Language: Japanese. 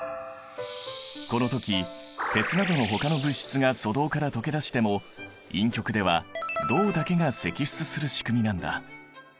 この時鉄などのほかの物質が粗銅から溶け出しても陰極では銅だけが析出する仕組みなんだ。